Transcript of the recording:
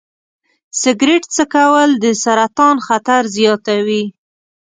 سګرټ څکول د سرطان خطر زیاتوي.